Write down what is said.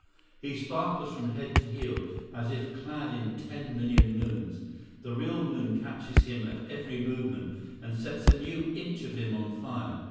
He sparkles from head to heel, as if clad in ten million moons; the real moon catches him at every movement and sets a new inch of him on fire.